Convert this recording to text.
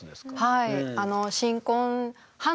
はい。